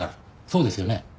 そうですよね？